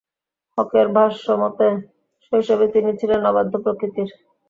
হকের ভাষ্যমতে শৈশবে তিনি ছিলেন অবাধ্য প্রকৃতির।